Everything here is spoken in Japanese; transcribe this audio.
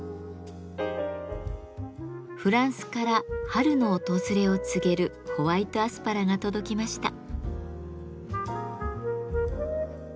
フランスから春の訪れを告げるホワイトアスパラが届きました。